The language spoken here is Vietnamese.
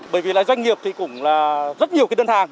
bởi vì doanh nghiệp cũng là rất nhiều đơn hàng